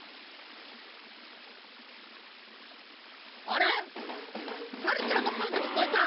あれっ？はるちゃんのこえがきこえた。